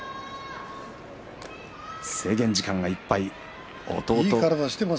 制限時間いっぱいです。